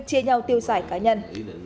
chia nhau tiêu sải cá nhân